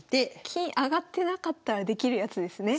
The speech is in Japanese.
金上がってなかったらできるやつですね？